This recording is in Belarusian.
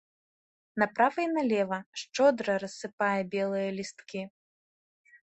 Направа і налева шчодра рассыпае белыя лісткі.